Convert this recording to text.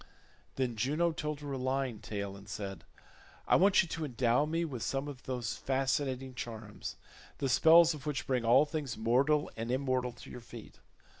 Then Juno told her a lying tale and said, "I want you to endow me with some of those fascinating charms, the spells of which bring all things mortal and immortal to your feet.